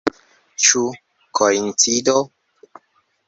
Ĉu koincido?